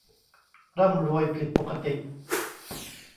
ร่ำรวยผิดปกติ